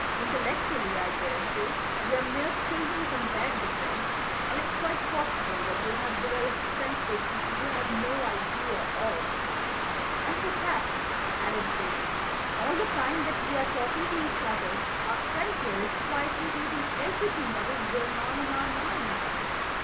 Intellectually, I daresay, we're mere children compared with them, and it's quite possible that they have developed senses which we have no idea of." "And perhaps," added Zaidie, "all the time that we are talking to each other our friend here is quietly reading everything that is going on in our minds."